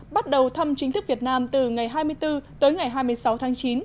bắt đầu thăm chính thức việt nam từ ngày hai mươi bốn tới ngày hai mươi sáu tháng chín